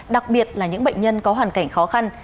đặc biệt là những bệnh nhân có hoàn cảnh khó khăn